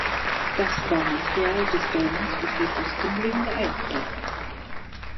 Das Baumaterial des Dolmens besteht aus Findlingen der Eiszeit.